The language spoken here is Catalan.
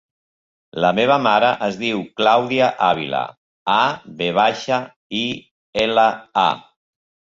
La meva mare es diu Clàudia Avila: a, ve baixa, i, ela, a.